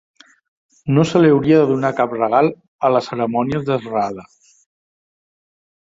No se li hauria de donar cap regal a les cerimònies de Sraddha.